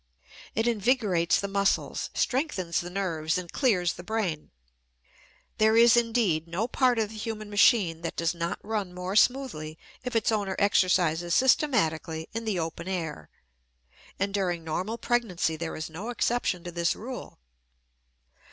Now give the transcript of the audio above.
It invigorates the muscles, strengthens the nerves, and clears the brain. There is, indeed, no part of the human machine that does not run more smoothly if its owner exercises systematically in the open air; and during normal pregnancy there is no exception to this rule.